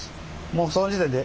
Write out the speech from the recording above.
もうその時点で。